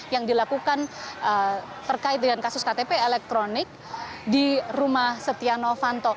yang dilakukan terkait dengan kasus ktp elektronik di rumah setia novanto